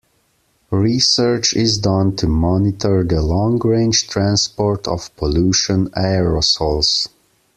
Research is done to monitor the long-range transport of pollution aerosols.